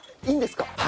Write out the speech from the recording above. いいんですか？